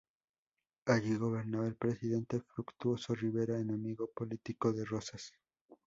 Allí gobernaba el presidente Fructuoso Rivera, enemigo político de Rosas.